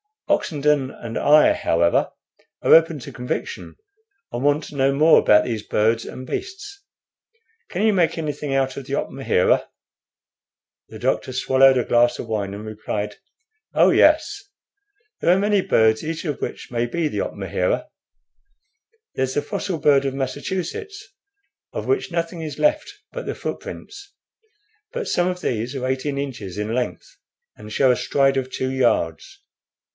Oxenden and I, however, are open to conviction, and want to know more about those birds and beasts. Can you make anything out of the opmahera?" The doctor swallowed a glass of wine, and replied: "Oh yes; there are many birds, each of which may be the opmahera. There's the fossil bird of Massachusetts, of which nothing is left but the footprints; but some of these are eighteen inches in length, and show a stride of two yards.